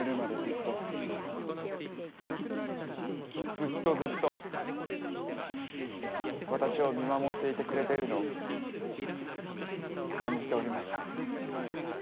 ずっとずっと私を見守っていてくれてるのを感じておりました。